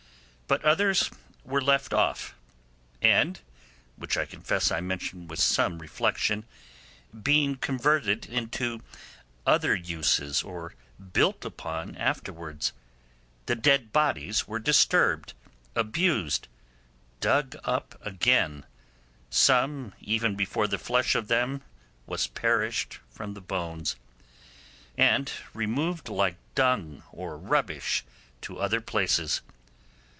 But others were left off, and (which I confess I mention with some reflection) being converted into other uses or built upon afterwards, the dead bodies were disturbed, abused, dug up again, some even before the flesh of them was perished from the bones, and removed like dung or rubbish to other places.